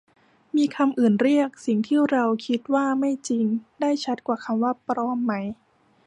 มีคำอื่นเรียกสิ่งที่เราคิดว่าไม่จริงได้ชัดกว่าคำว่า ปลอม ไหม